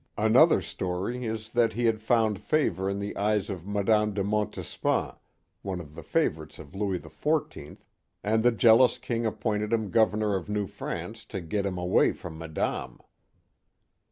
Another story is that he had found favor in the eyes of Madame de Montespan, one of the favorites of Louis XIV., and the jealous King appointed him Governor of New France to get him away from Madame.